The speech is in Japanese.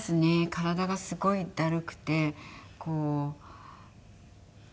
体がすごいだるくてなんかこう。